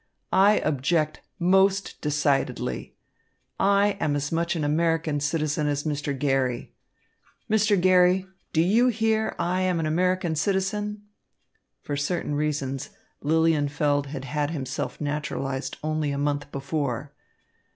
I object most decidedly. I am as much an American citizen as Mr. Garry. Mr. Garry, do you hear I am an American citizen?" For certain reasons Lilienfeld had had himself naturalised only a month before.